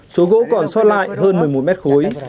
số gỗ còn sót lại hơn một mươi một mét khối